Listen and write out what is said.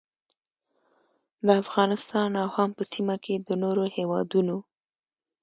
د افغانستان او هم په سیمه کې د نورو هیوادونو